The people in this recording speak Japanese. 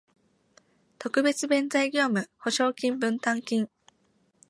特別弁済業務保証金分担金